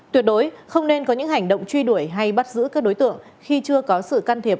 tuyệt đối không nên có những hành động truy đuổi hay bắt giữ các đối tượng khi chưa có sự can thiệp